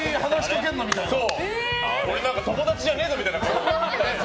友達じゃねえぞみたいな。